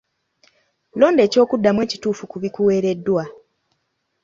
Londa eky'okuddamu ekituufu ku bikuweereddwa.